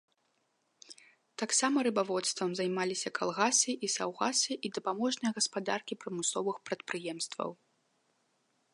Таксама рыбаводствам займаліся калгасы і саўгасы і дапаможныя гаспадаркі прамысловых прадпрыемстваў.